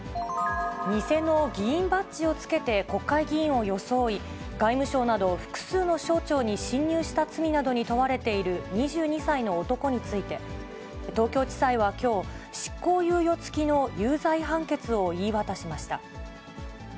偽の議員バッジをつけて国会議員を装い、外務省など複数の省庁に侵入した罪などに問われている２２歳の男について、東京地裁はきょう、執行猶予付きの有罪判決を言い渡しました。